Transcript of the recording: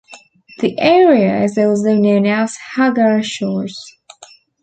The area is also known as Hagar Shores.